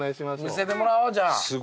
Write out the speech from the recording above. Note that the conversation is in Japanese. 見せてもらおうじゃあ。